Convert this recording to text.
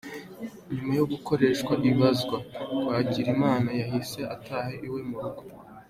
Nyuma yo gukoreshwa ibazwa, Twagirimana yahise ataha iwe mu rugo.